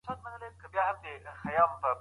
دوی د خلکو د اړتیاوو سره سم تولید کوي.